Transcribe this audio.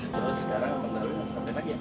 terus sekarang bang daryl gak sampai lagi